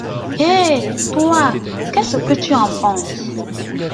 Eh, toi, qu’est-ce que tu en penses?